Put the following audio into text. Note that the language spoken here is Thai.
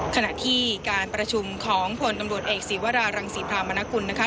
ขณะที่การประชุมของผลตำรวจเอกศีวรารังศรีพรามนกุลนะคะ